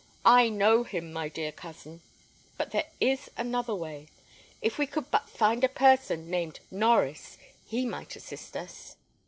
I know him, my dear cousin. But there is another way. If we could but find a person named Norries, he might assist us."